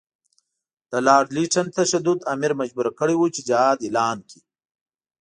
د لارډ لیټن تشدد امیر مجبور کړی وو چې جهاد اعلان کړي.